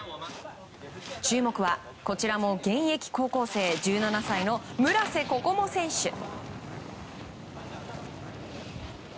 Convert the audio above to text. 注目は、こちらも現役高校生１７歳の村瀬心椛選手。